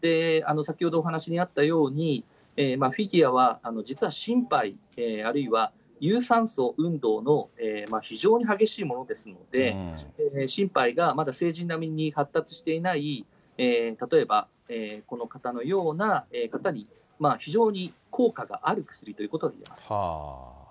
先ほどお話にあったように、フィギュアは実は心肺、あるいは有酸素運動の非常に激しいものですので、心肺がまだ成人並みに発達していない、例えばこの方のような方に非常に効果がある薬ということがいえます。